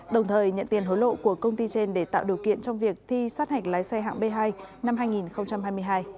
đồng thời nhận tiền hối lộ của công ty trên để tạo điều kiện trong việc thi sát hạch lái xe hạng b hai năm hai nghìn hai mươi hai